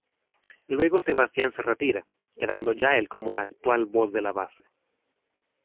Luego Sebastián se retira, quedando Yael como la actual voz de La Base.